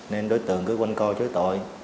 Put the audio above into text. nên đối tượng cứ quanh co chối tội